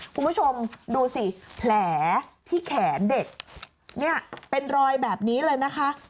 คุณผู้ชมดูสิแผลที่แขนเด็กเนี่ยเป็นรอยแบบนี้เลยนะคะ